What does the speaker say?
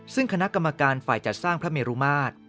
ซึ่งคณะกรรมการฝ่ายจัดสร้างพระเมรุมาตร